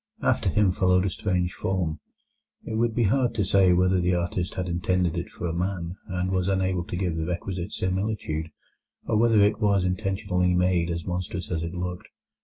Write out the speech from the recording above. After him followed a strange form; it would be hard to say whether the artist had intended it for a man, and was unable to give the requisite similitude, or whether it was intentionally made as monstrous as it looked.